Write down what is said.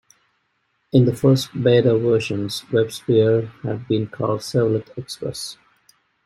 In the first beta versions, WebSphere had been called Servlet Express.